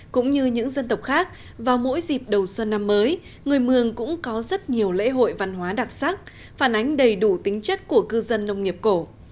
cũng như những dân tộc khác vào mỗi dịp đầu xuân năm mới người mường cũng có rất nhiều lễ hội văn hóa đặc sắc phản ánh đầy đủ tính chất của cư dân nông nghiệp cổ